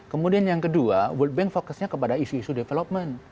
kemudian yang kedua world bank fokusnya kepada isu isu development